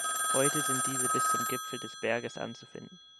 Heute sind diese bis zum Gipfel des Berges anzufinden.